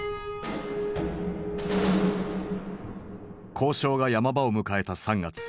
交渉が山場を迎えた３月。